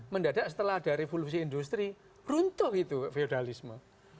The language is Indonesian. mendadak setelah ada revolusi industri runtuh itu feudalisme